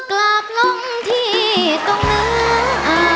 กราบลงที่ตรงมืออ่าน